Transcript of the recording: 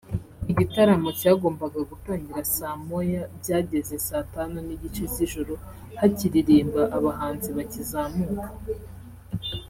Igitaramo cyagombaga gutangira saa moya byageze saa tanu n’igice z’ijoro hakiririmba abahanzi bakizamuka